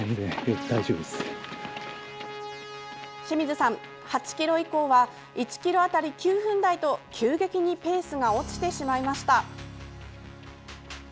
清水さん、８ｋｍ以降は１ｋｍあたり９分台と急激にペースが落ちてしまいました。